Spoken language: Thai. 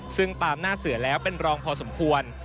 ซึ่งตามหน้าเสือแล้วเป็นรองพอสมควร